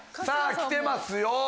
さぁ来てますよ。